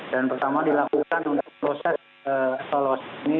dan pertama dilakukan proses solos ini